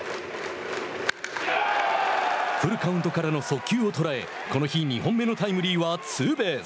フルカウントからの速球を捉えこの日２本目のタイムリーはツーベース。